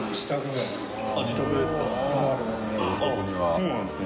そうなんですね